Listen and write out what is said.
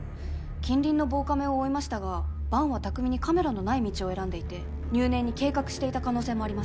近隣の防カメを追いましたがバンは巧みにカメラのない道を選んでいて入念に計画していた可能性もあります。